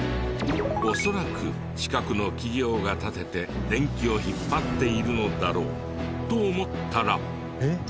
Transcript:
恐らく近くの企業が建てて電気を引っ張っているのだろうと思ったら。